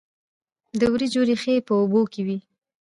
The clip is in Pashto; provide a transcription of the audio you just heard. د وریجو ریښې په اوبو کې وي.